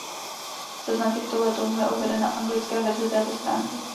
Seznam těchto letounů je uveden na anglické verzi této stránky.